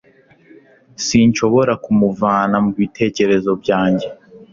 sinshobora kumuvana mubitekerezo byanjye